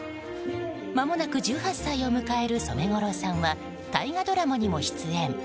まもなく１８歳を迎える染五郎さんは大河ドラマにも出演。